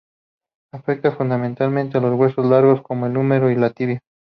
Afecta fundamentalmente a los huesos largos como el húmero y la tibia.